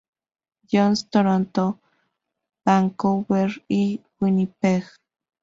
John's, Toronto, Vancouver y Winnipeg.